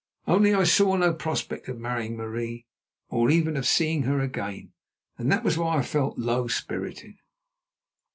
Only I saw no prospect of marrying Marie, or even of seeing her again, and that was why I felt low spirited.